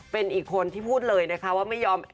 เป็นอีกคนที่พูดเลยนะคะว่าไม่ยอม